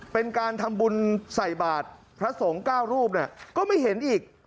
เป็นการทำบุญศรัยบาตรพระสงส์เก้ารูปก็ไม่เห็นอีก